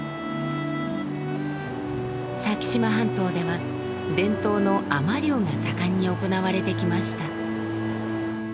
先志摩半島では伝統の海女漁が盛んに行われてきました。